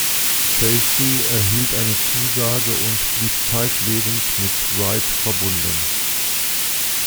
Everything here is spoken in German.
Casey erhielt eine Zusage und blieb zeitlebens mit Wright verbunden.